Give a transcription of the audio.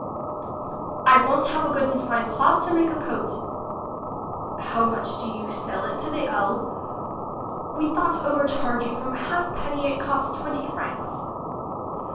I won't have a good and fine cloth to make a coat. How much do you sell it the ell? We thout overcharge you from a halfpenny, it cost twenty franks.